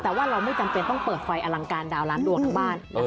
แต่ว่าเราไม่จำเป็นต้องเปิดไฟอลังการดาวล้านดวงทั้งบ้าน